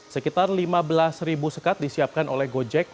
sekitar lima belas ribu sekat disiapkan oleh gojek